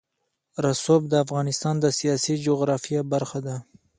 رسوب د افغانستان د سیاسي جغرافیه برخه ده.